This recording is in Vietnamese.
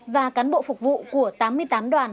và cán bộ phục vụ của tám mươi tám đoàn